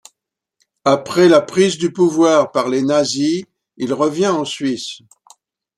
Après la prise du pouvoir par les nazis, il revient en Suisse.